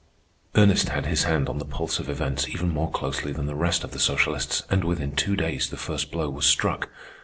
Ernest had his hand on the pulse of events even more closely than the rest of the socialists, and within two days the first blow was struck.